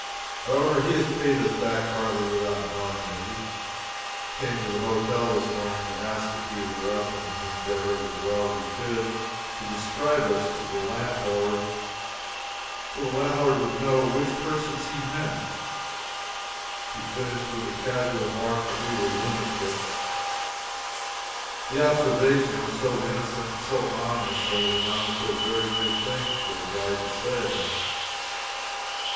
However, he has paid us back, partly, without knowing it. He came to the hotel this morning to ask if we were up, and he endeavored as well as he could to describe us, so that the landlord would know which persons he meant. He finished with the casual remark that we were lunatics. The observation was so innocent and so honest that it amounted to a very good thing for a guide to say.